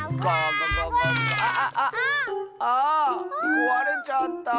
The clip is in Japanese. こわれちゃった。